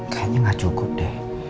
kayaknya gak cukup deh